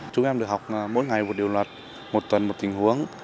chúng em được học mỗi ngày một điều luật một tuần một tình huống